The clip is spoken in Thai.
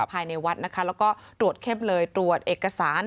ภายในวัดนะคะแล้วก็ตรวจเข้มเลยตรวจเอกสาร